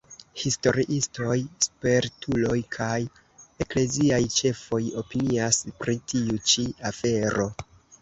Historiistoj, spertuloj kaj ekleziaj ĉefoj opinias pri tiu ĉi afero.